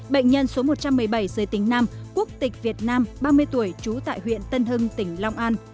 bệnh nhân số một trăm một mươi bảy giới tính nam quốc tịch việt nam ba mươi tuổi trú tại huyện tân hưng tỉnh long an